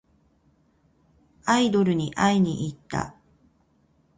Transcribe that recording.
アイドルに会いにいった。